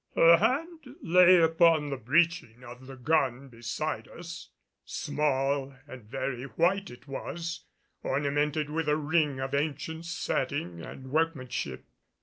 Her hand lay upon the breeching of the gun beside us; small and very white it was, ornamented with a ring of ancient setting and workmanship.